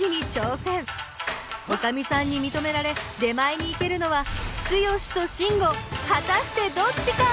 おかみさんにみとめられ出前に行けるのはツヨシとシンゴ果たしてどっちか！？